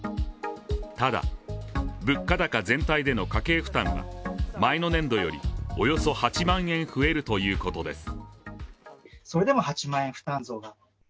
ただ、物価高全体での家計負担が前の年度よりおよそ８万円増えるということです。